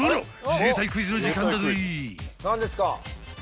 自衛隊クイズの時間だぜ］